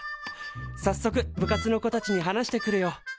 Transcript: さっそく部活の子たちに話してくるよ。